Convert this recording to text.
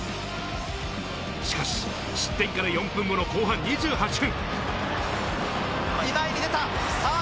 しかし失点から４分後の後半２８分。